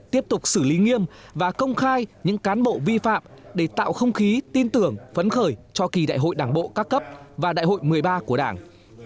tiếp tục xử lý nghiêm và công khai những cán bộ vi phạm để tạo không khí tin tưởng phấn khởi cho kỳ đại hội đảng bộ các cấp và đại hội một mươi ba của đảng